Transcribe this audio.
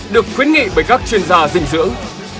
được khuyến nghị bởi các chuyên gia dinh dưỡng